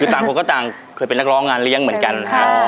คือต่างคนก็ต่างเคยเป็นนักร้องงานเลี้ยงเหมือนกัน